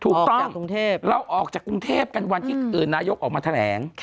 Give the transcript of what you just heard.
ถูกต้องเราออกจากกรุงเทพกันวันที่นายกออกมาแถลง